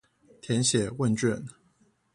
填寫問卷